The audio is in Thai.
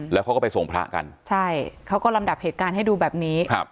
แล้วเขาก็ไปส่งพระกันใช่เขาก็ลำดับเหตุการณ์ให้ดูแบบนี้ครับ